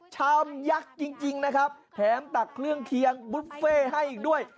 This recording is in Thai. ชามยักษ์จริงนะครับแถมตักเครื่องเคียงบุฟเฟ่ให้อีกด้วย